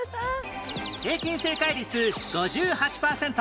平均正解率５８パーセント